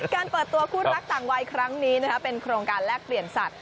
การเปิดตัวคู่รักต่างวัยครั้งนี้เป็นโครงการแลกเปลี่ยนสัตว